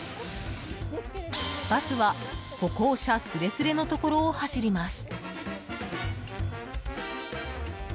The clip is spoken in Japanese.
バスは歩行者すれすれのところを走ります。